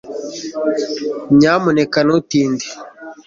nyamuneka ntutinde